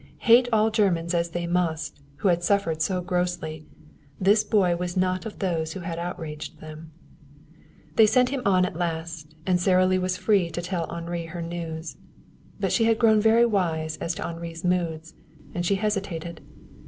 Hate all Germans as they must, who had suffered so grossly, this boy was not of those who had outraged them. They sent him on at last, and Sara Lee was free to tell Henri her news. But she had grown very wise as to Henri's moods, and she hesitated.